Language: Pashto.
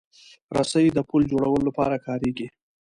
رسۍ د پُل جوړولو لپاره کارېږي.